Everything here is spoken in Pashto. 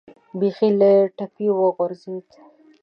بیخي له ټپې وغورځېد.